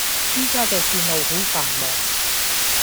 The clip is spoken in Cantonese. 依家既線路好繁忙